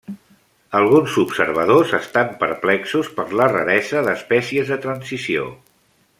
Alguns observadors estan perplexos per la raresa d'espècies de transició.